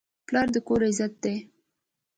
پلار د کور عزت دی.